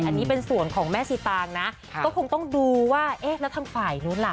อันนี้เป็นส่วนของแม่สีตางนะก็คงต้องดูว่าเอ๊ะแล้วทางฝ่ายนู้นล่ะ